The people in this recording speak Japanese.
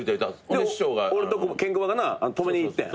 俺とケンコバがな止めにいったやん。